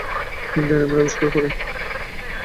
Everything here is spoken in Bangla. তিনি ডায়নামাইট আবিষ্কার করেন।